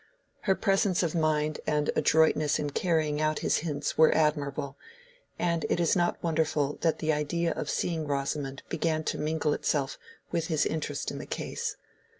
Her presence of mind and adroitness in carrying out his hints were admirable, and it is not wonderful that the idea of seeing Rosamond began to mingle itself with his interest in the case.